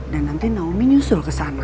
dan nanti naomi nyusul kesana